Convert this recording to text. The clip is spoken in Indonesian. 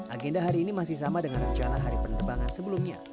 agenda hari ini masih sama dengan rencana hari penerbangan sebelumnya